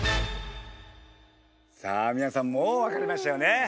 さあ皆さんもう分かりましたよね。